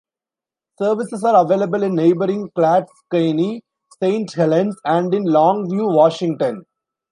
Services are available in neighboring Clatskanie, Saint Helens, and in Longview, Washington.